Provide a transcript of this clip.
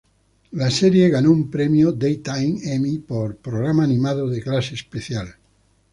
La serie ganó un Premio Daytime Emmy por "Programa animado de clase especial".